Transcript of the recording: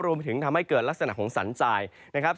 รวมไปถึงทำให้เกิดลักษณะของสันทรายนะครับ